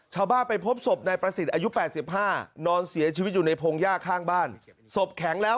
ชาวบ้านไปพบศพในประศิษฐ์อายุ๘๕นอนเสียชีวิตอยู่ในพงศ์หญ้าข้างบ้าน